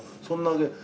そんなけ